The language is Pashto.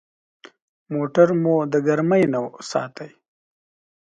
موټر مو د ګرمي نه ساتي.